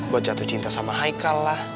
buat jatuh cinta sama hai kal lah